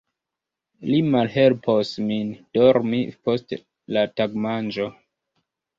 Li malhelpos min dormi post la tagmanĝo.